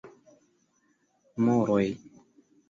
Moroj: